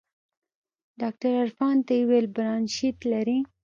ډاکتر عرفان ته يې وويل برانشيت لري.